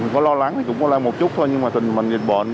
có lo lắng thì cũng có lo một chút thôi nhưng mà tình mình bị bệnh